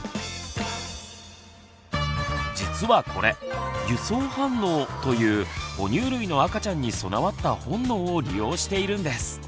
実はこれ輸送反応という哺乳類の赤ちゃんに備わった本能を利用しているんです。